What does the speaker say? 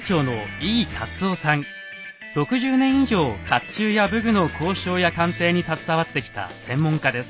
６０年以上甲冑や武具の考証や鑑定に携わってきた専門家です。